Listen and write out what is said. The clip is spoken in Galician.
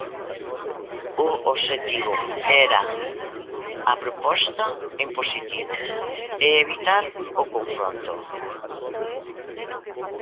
O obxectivo era a proposta en positivo e evitar o confronto.